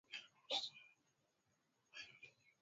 haimaanishi kwamba hakuna athari za kiafya ndani ya miongozo